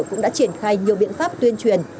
cũng đã triển khai nhiều biện pháp tuyên truyền